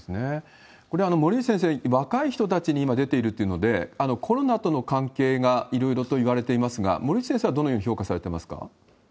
これ、森内先生、若い人たちに、今出ているっていうので、コロナとの関係がいろいろといわれていますが、森内先生はどう評価されていますか？